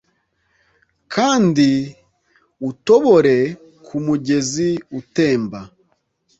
Kandi utobore kumugezi utemba.